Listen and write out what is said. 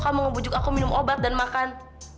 kamu ngebujuk aku minum obat dan makan